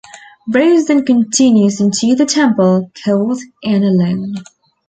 Rose then continues into the temple, cold and alone.